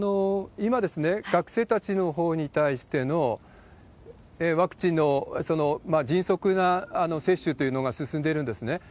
今、学生たちのほうに対してのワクチンの迅速な接種というのが進んでいるんですね。